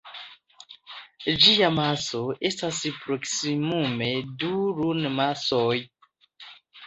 Ĝia maso estas proksimume du Lun-masoj.